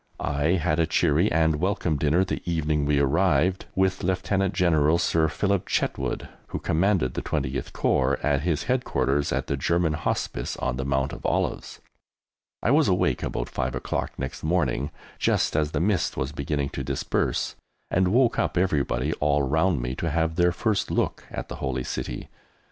I had a cheery and welcome dinner the evening we arrived with Lieutenant General Sir Philip Chetwode, who commanded the 20th Corps, at his headquarters at the German Hospice on the Mount of Olives. [Illustration: THE WAILING WALL AT JERUSALEM (See page 93)] I was awake about 5 o'clock next morning, just as the mist was beginning to disperse, and woke up everybody all round about me to have their first look at the Holy City.